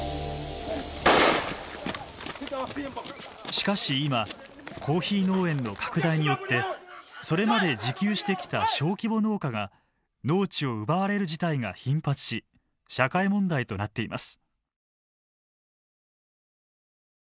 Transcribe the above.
しかし今コーヒー農園の拡大によってそれまで自給してきた小規模農家が農地を奪われる事態が頻発し社会問題となっています。